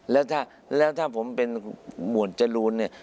แล้วถ้าผมเป็นหมวดจรูนเนี่ย